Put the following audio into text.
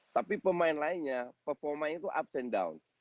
tapi pemain lainnya performanya itu ups and down